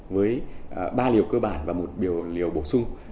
với ba liều cơ bản và một liều bổ sung